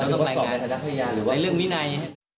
หรือว่าสอบในธรรมพยาบาลหรือว่าในเรื่องวินัย